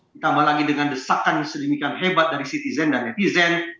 ditambah lagi dengan desakan sedemikian hebat dari citizen dan netizen